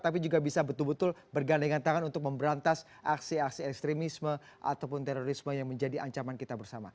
tapi juga bisa betul betul bergandengan tangan untuk memberantas aksi aksi ekstremisme ataupun terorisme yang menjadi ancaman kita bersama